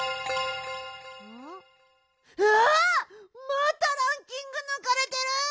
またランキングぬかれてる！